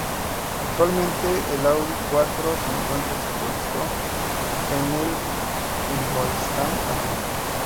Actualmente, el Audi quattro se encuentra expuesto en el en Ingolstadt, Alemania.